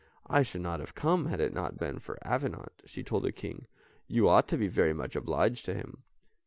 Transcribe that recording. "I should not have come, had it not been for Avenant," she told the King, "you ought to be very much obliged to him."